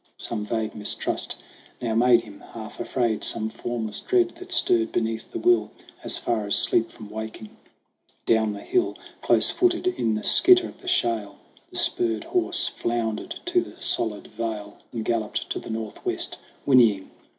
Some vague mistrust now made him half afraid Some formless dread that stirred beneath the will As far as sleep from waking. Down the hill, Close footed in the skitter of the shale, The spurred horse floundered to the solid vale And galloped to the northwest, whinnying.